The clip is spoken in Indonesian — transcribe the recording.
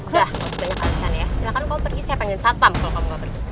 udah banyak alasan ya silahkan kamu pergi saya pengen satpam kalau kamu gak pergi